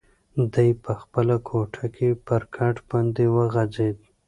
دی په خپله کوټه کې پر کټ باندې وغځېد.